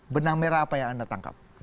benang merah apa yang anda tangkap